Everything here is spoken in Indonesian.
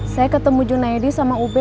saya ketemu junaedy sama ubet